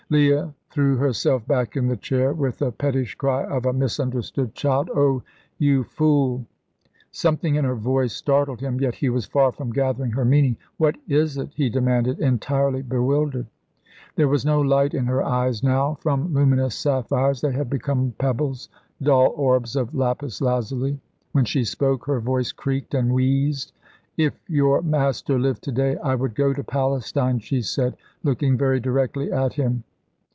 Leah threw herself back in the chair with the pettish cry of a misunderstood child. "Oh, you fool!" Something in her voice startled him; yet he was far from gathering her meaning. "What is it?" he demanded, entirely bewildered. There was no light in her eyes now; from luminous sapphires they had become pebbles, dull orbs of lapis lazuli. When she spoke her voice creaked and wheezed "If your Master lived to day, I would go to Palestine!" she said, looking very directly at him.